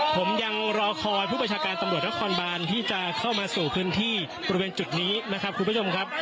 ผมยังรอคอยผู้ประชาการตำรวจนครบานที่จะเข้ามาสู่พื้นที่บริเวณจุดนี้นะครับคุณผู้ชมครับ